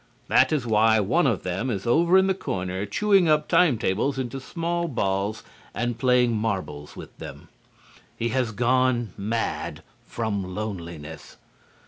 That is why one of them is over in the corner chewing up time tables into small balls and playing marbles with them. He has gone mad from loneliness.